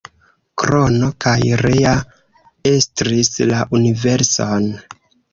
Krono kaj Rea estris la universon.